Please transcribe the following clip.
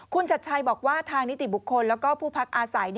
คุณชัดชัยบอกว่าทางนิติบุคคลแล้วก็ผู้พักอาศัย